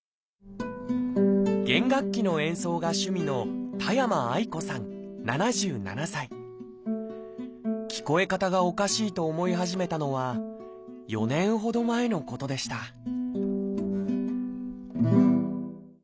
弦楽器の演奏が趣味の聞こえ方がおかしいと思い始めたのは４年ほど前のことでしたああ